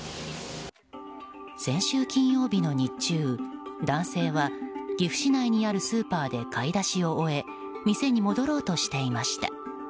先週金曜日の日中、男性は岐阜市内にあるスーパーで買い出しを終え店に戻ろうとしていました。